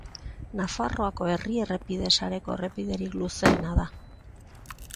Nafarroako herri errepide sareko errepiderik luzeena da.